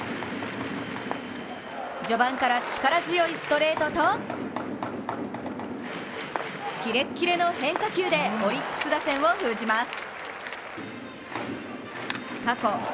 序盤から力強いストレートとキレッキレの変化球でオリックス打線を封じます。